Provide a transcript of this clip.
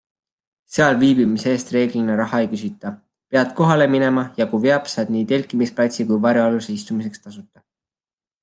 Seal viibimise eest reeglina raha ei küsita, pead kohale minema ja kui veab, saad nii telkimisplatsi kui varjualuse istumiseks tasuta.